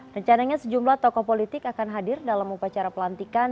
rencananya sejumlah tokoh politik akan hadir dalam upacara pelantikan